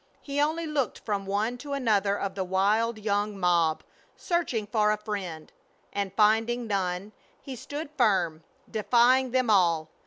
He only looked from one to another of the wild young mob, searching for a friend; and, finding none, he stood firm, defying them all.